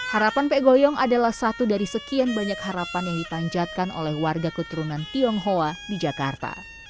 harapan mpek goyong adalah satu dari sekian banyak harapan yang ditanjatkan oleh warga keturunan tionghoa di jakarta